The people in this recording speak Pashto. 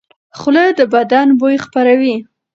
خوله د بدن بوی خپروي.